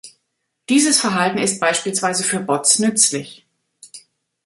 Dieses Verhalten ist beispielsweise für Bots nützlich.